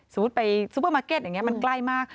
ไปซูเปอร์มาร์เก็ตอย่างนี้มันใกล้มาก